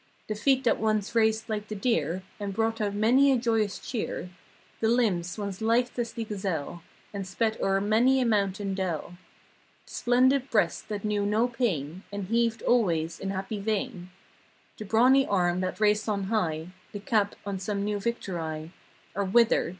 The feet that once raced like the deer. And brought out many a joyous cheer. The limbs once lithe as the gazelle. And sped o'er many a mount and dell; The splendid breast that knew no pain. And heaved always in happy vein; The brawny arm that raised on high The cap on some new victory Are withered.